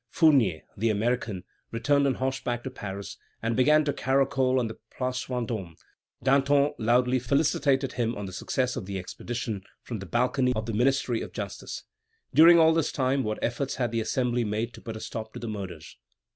Fournier "the American" returned on horseback to Paris and began to caracole on the Place Vendôme; Danton loudly felicitated him on the success of the expedition, from the balcony of the Ministry of Justice. During all this time, what efforts had the Assembly made to put a stop to the murders?